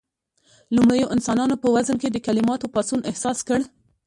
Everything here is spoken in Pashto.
لومړيو انسانانو په وزن کې د کليماتو پاڅون احساس کړ.